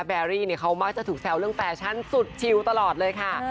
แอรี่เขามักจะถูกแซวเรื่องแฟชั่นสุดชิลตลอดเลยค่ะ